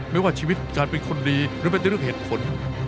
ไม่ว่าชีวิตการเป็นคนดีหรือเป็นแต่เรื่องเหตุผล